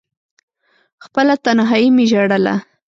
خپله تنهايي مې ژړله…